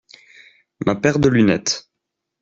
Ma paire de lunettes.